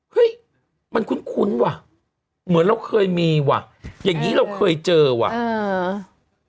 เฮ้ยมันคุ้นคุ้นว่ะเหมือนเราเคยมีว่ะอย่างงี้เราเคยเจอว่ะเออ